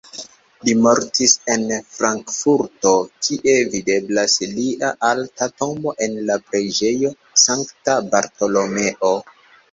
Li mortis en Frankfurto, kie videblas lia alta tombo en la Preĝejo Sankta Bartolomeo.